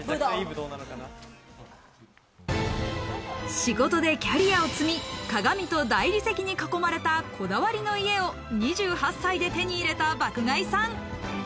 仕事でキャリアを積み、鏡と大理石に囲まれたこだわりの家を２８歳で手に入れた爆買いさん。